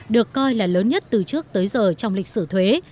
được coi là lớn nhất từ trước tới giờ trong lịch sử thuế